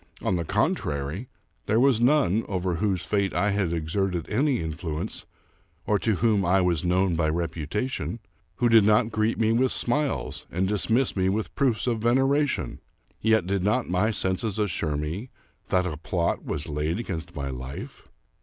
On the con trary, there was none, over whose fate I had exerted any influence or to whom I was known by reputation, who did not greet me with smiles and dismiss me with proofs of veneration : yet did not my senses assure me that a plot was laid against my Hfe?